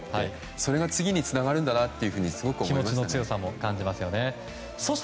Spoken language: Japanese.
それが次につながるんだなというふうにすごく思いました。